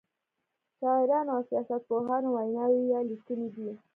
شاعرانو او سیاست پوهانو ویناوی یا لیکنې دي.